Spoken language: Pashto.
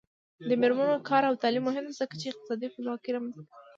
د میرمنو کار او تعلیم مهم دی ځکه چې اقتصادي خپلواکۍ رامنځته کوي.